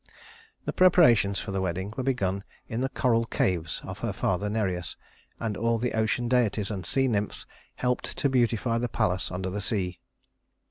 The preparations for the wedding were begun in the coral caves of her father Nereus, and all the ocean deities and sea nymphs helped to beautify the palace under the sea.